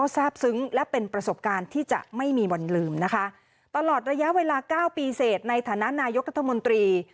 ทราบซึ้งและเป็นประสบการณ์ที่จะไม่มีวันลืมนะคะตลอดระยะเวลาเก้าปีเสร็จในฐานะนายกรัฐมนตรี